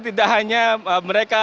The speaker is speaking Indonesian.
tidak hanya mereka